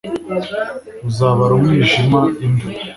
uzabara umwijima imva